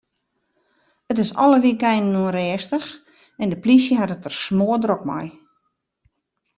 It is alle wykeinen ûnrêstich en de polysje hat it der smoardrok mei.